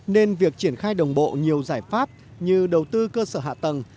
nên việc triển khai đồng bộ nhiều giải pháp như đầu tư cơ sở hạ tầng